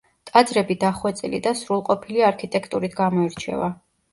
ტაძრები დახვეწილი და სრულყოფილი არქიტექტურით გამოირჩევა.